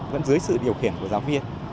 vẫn dưới sự điều khiển của giáo viên